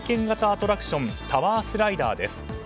アトラクションタワースライダーです。